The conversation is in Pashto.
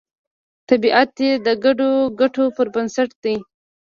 طبیعت یې د ګډو ګټو پر بنسټ دی